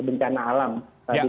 di tengah juga masakan banyak